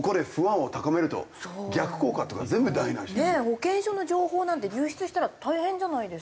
保険証の情報なんて流出したら大変じゃないですか。